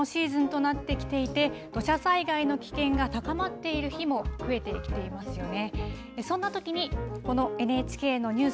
本格的な雨のシーズンとなってきていて土砂災害の危険が高まっている日も増えてきていますよね。